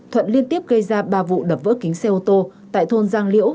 thuận liên tiếp gây ra ba vụ đập vỡ kính xe ô tô tại thôn giang liễu